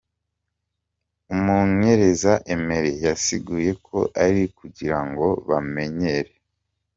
Umumenyereza Emery yasiguye ko ari kugira ngo bamenyere.